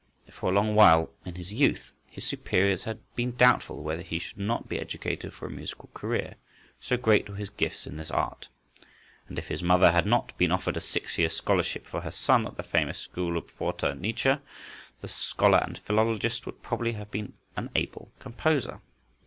For a long while, in his youth, his superiors had been doubtful whether he should not be educated for a musical career, so great were his gifts in this art; and if his mother had not been offered a six years' scholarship for her son at the famous school of Pforta, Nietzsche, the scholar and philologist, would probably have been an able composer.